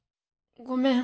ごめん。